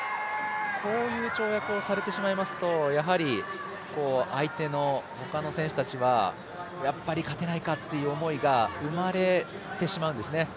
こういう跳躍をされてしまいますと、他の選手たちはやっぱり、勝てないかという思いが生まれてしまうんですね。